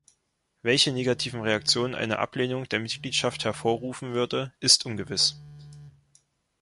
Welche negativen Reaktionen eine Ablehnung der Mitgliedschaft hervorrufen würde, ist ungewiss.